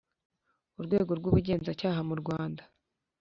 urwego rw’ubugenzacyaha mu rwanda